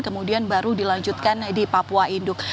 kemudian baru dilanjutkan di papua induk